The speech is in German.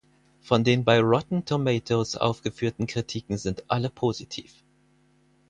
Von den bei Rotten Tomatoes aufgeführten Kritiken sind alle positiv.